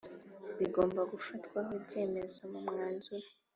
bigomba gufatwaho ibyemezo mu mwanzuro